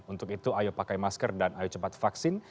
untuk itu ayo pakai masker dan ayo cepat vaksin